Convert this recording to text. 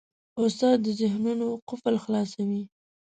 استاد د ذهنونو قفل خلاصوي.